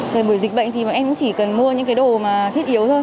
bởi vì dịch bệnh thì em chỉ cần mua những đồ thiết yếu thôi